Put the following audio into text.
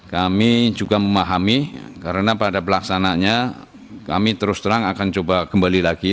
kami juga memahami karena pada pelaksananya kami terus terang akan coba kembali lagi